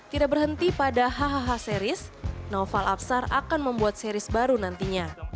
tidak berhenti pada hahaha series naufal apsar akan membuat series baru nantinya